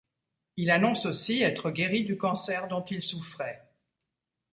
Il annonce aussi être guéri du cancer dont il souffrait.